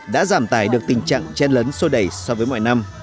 đã giảm tải được tình trạng chen lấn sô đẩy so với mọi năm